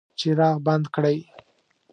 څراغ بند کړئ